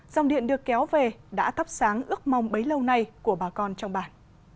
dòng điện được kéo về đã thắp sáng ước mong bấy lâu nay của bà con trong bản